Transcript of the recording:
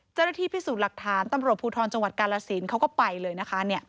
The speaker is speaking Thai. เจ้าหน้าที่พิสูจน์หลักฐานตำรวจภูทรจังหวัดกาลสินเขาก็ไปเลยนะคะ